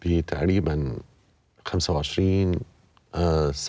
ปีอาทิตย์อาทิตย์ห้ามีส